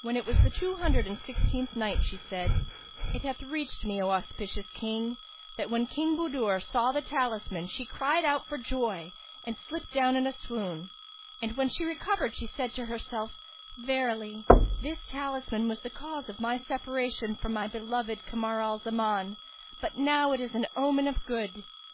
When it was the Two Hundred and Sixteenth Night, She said, It hath reached me, O auspicious King, that when King Budur saw the talisman she cried out for joy and slipped down in a swoon; and when she recovered she said to herself, "Verily, this talisman was the cause of my separation from my beloved Kamar al Zaman; but now it is an omen of good."